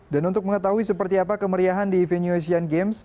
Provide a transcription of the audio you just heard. dan untuk mengetahui seperti apa kemeriahan di venue asian games